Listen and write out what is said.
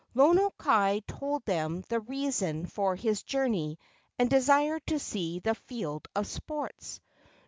Lono kai told them the reason for his journey and desire to see the field of sports.